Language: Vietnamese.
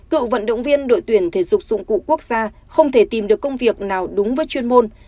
cựu vận động viên đội tuyển thể dục dụng cụ quốc gia không thể tìm được công việc nào đúng với chuyên môn